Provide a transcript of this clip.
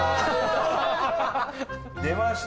出ました！